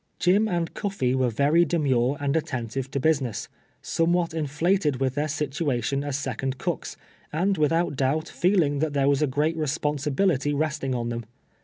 Jim and Cuffee were very demure and attentive to business, somewhat inflated with their situation as second cooks, and without doubt feeling that there was a great responsibility resting on them.